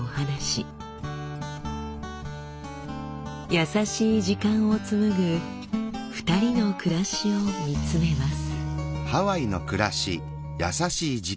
優しい時間を紡ぐ２人の暮らしを見つめます。